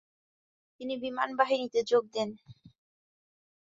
তিনি বিমানবাহিনীতে যোগ দেন।